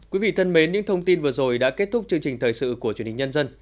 quý vị thân mến những thông tin vừa rồi đã kết thúc chương trình thời sự của truyền hình nhân dân